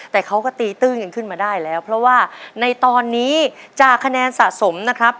แต่เขาก็ตีตื้นกันขึ้นมาได้แล้วเพราะว่าในตอนนี้จากคะแนนสะสมนะครับ